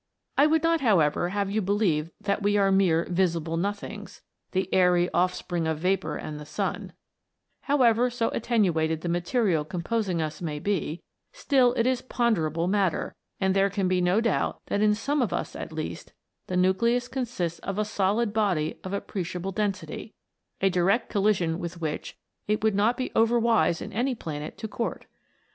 I would not, however, have you be lieve that we are mere " visible nothings" the " airy offspring of vapour and the sun ;" however so attenuated the material composing us may be, still it is ponderable matter ; and there can be no doubt but that in some of us at least, the nucleus consists of a solid body of appreciable density, a direct collision with which it would not be over wise in any planet to court.